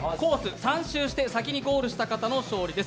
３周して先にゴールした方の勝利です。